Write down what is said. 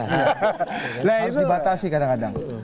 harus dibatasi kadang kadang